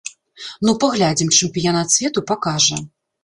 Ну, паглядзім, чэмпіянат свету пакажа.